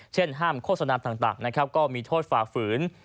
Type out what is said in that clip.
เช่นห้ามโฆษณาต่างนะครับก็มีโทษฝ่าฝืน